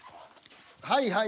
はいはい。